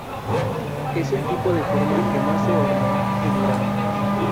Es el tipo de forma que más se hornea en Irán.